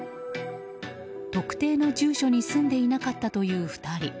特定の住所に住んでいなかったという２人。